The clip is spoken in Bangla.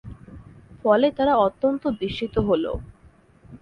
ফলে তারা অত্যন্ত বিস্মিত হল।